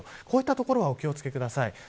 こういった所お気をつけください。